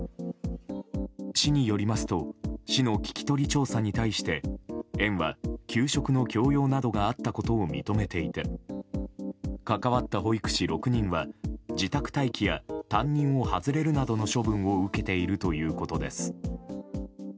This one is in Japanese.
市によりますと市の聞き取り調査に対して園は、給食の強要などがあったことを認めていて関わった保育士６人は自宅待機や担任を外れるなどの処分を受けているということです。